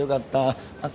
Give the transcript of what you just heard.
あっ。